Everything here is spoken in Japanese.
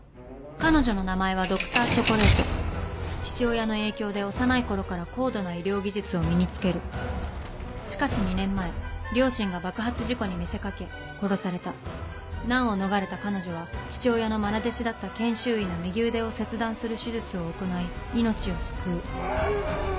彼女の名前はＤｒ．チョコレート父親の影響で幼い頃から高度な医療技術を身に付けるしかし２年前両親が爆発事故に見せかけ殺された難を逃れた彼女は父親のまな弟子だった研修医の右腕を切断する手術を行い命を救ううぅ！